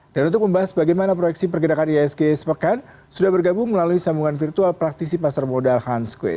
dan untuk membahas bagaimana proyeksi pergerakan isk sepekan sudah bergabung melalui sambungan virtual praktisi pasar modal hans kwe